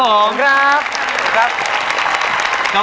ขอบคุณครับ